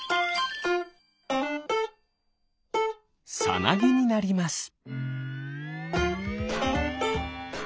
さなぎになります。